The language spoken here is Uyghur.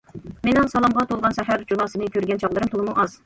مېنىڭ سالامغا تولغان سەھەر جۇلاسىنى كۆرگەن چاغلىرىم تولىمۇ ئاز.